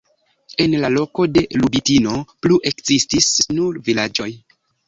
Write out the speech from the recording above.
En la loko de Lubitino plu ekzistis nur vilaĝoj.